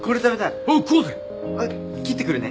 切ってくるね。